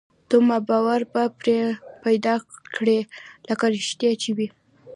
دومره باور به پرې پيدا کړي لکه رښتيا چې وي.